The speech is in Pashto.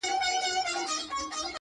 هسې سترگي پـټـي دي ويــــده نــه ده،